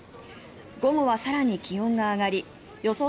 午後は更に気温が上がり予想